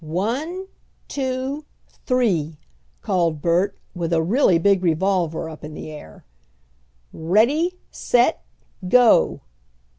"One, two, three!" called Bert, with a really big revolver up in the air. "Ready! Set! Go!"